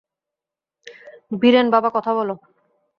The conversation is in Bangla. ভিরেন, বাবা কথা বল।